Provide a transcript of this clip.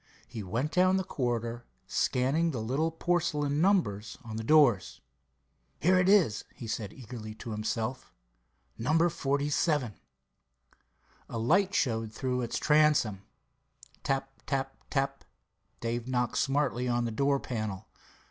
He went down a corridor, scanning the little porcelain numbers on the doors. "Here it is," he said eagerly to himself—"No. 47." A light showed through its transom. Tap—tap—tap! Dave knocked smartly on the door panel.